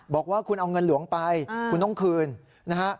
บอกว่าคุณเอาเงินหลวงไปคุณต้องคืนนะฮะ